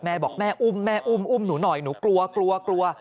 แม่บอกแม่อุ้มแม่อุ้มอุ้มหนูหน่อยหนูกลัวกลัวกลัว